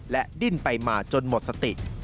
และดิ้นไปมาจนหมดสติ